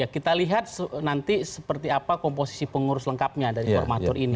kita lihat nanti seperti apa komposisi pengurus lengkapnya dari formatur ini